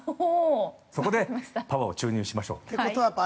そこでパワーを注入しましょう。